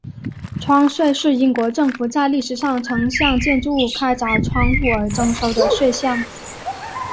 窗税是英国政府在历史上曾向建筑物开凿窗户而征收的税项。